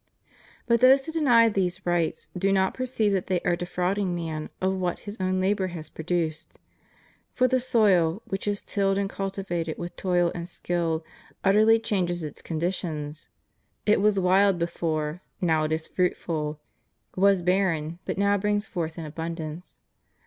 But those who deny these rights do not perceive that they are defrauding man of what his own labor has produced. For the soil which is tilled and cultivated with toil and skill utterly changes its conditions : it was wild before, now it is fruitful ; was barren, but now brings forth in abundance.